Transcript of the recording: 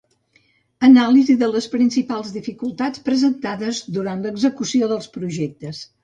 Anàlisi de les principals dificultats presentades durant l'execució dels projectes.